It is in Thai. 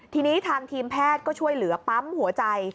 ทีนี้ทางทีมแพทย์ก็ช่วยเหลือปั๊มหัวใจ